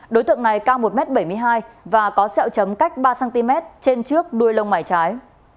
đối tượng này cao một m bảy mươi hai và có sẹo chấm cách ba cm trên trước đuôi lông mải trái